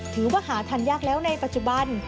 ถือว่าหาทานยากแล้วในปัจจุบัน